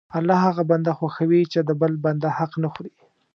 الله هغه بنده خوښوي چې د بل بنده حق نه خوري.